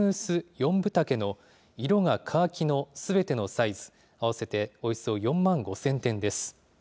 ・４分丈の色がカーキのすべてのサイズ、合わせておよそ４万５０００点です。